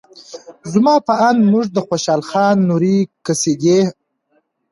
زما په اند موږ د خوشال خان نورې قصیدې